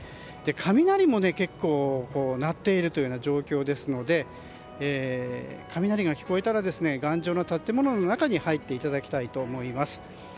雷も結構鳴っている状況ですので雷が聞こえたら頑丈な建物の中に入っていただきたいと思います。